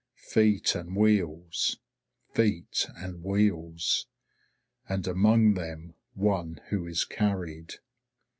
Feet and wheels feet and wheels. And among them one who is carried.